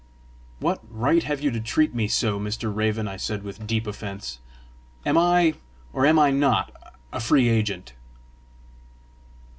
"What right have you to treat me so, Mr. Raven?" I said with deep offence. "Am I, or am I not, a free agent?"